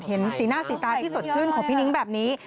เห็นสีหน้าสีตาที่สดชื่นของพี่นิ้งแบบนี้